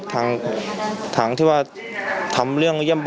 ต่อยอีกต่อยอีกต่อยอีกต่อยอีก